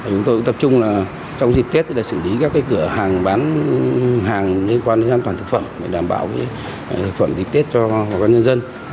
chúng tôi cũng tập trung trong dịp tết xử lý các cửa hàng bán hàng liên quan đến an toàn thực phẩm để đảm bảo thực phẩm đi tết cho bà con nhân dân